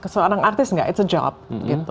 seorang artis nggak itu pekerjaan